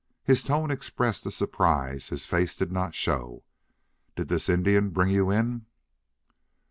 His tone expressed a surprise his face did not show. "Did this Indian bring you in?"